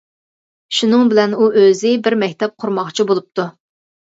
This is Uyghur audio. شۇنىڭ بىلەن ئۇ ئۆزى بىر مەكتەپ قۇرماقچى بولۇپتۇ.